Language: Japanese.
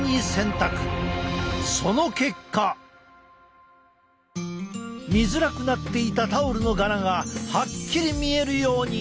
その結果！見づらくなっていたタオルの柄がはっきり見えるように。